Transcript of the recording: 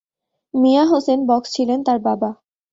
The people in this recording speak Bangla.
মিয়া হোসেন বক্স ছিলেন তার বাবা।